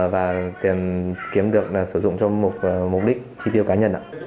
và tiền kiếm được sử dụng cho mục đích chi tiêu cá nhân